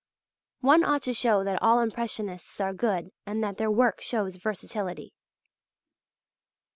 One ought to show that all Impressionists are good and that their work shows versatility.